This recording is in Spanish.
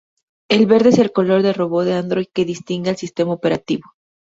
El verde es el color del robot de Android que distingue al sistema operativo.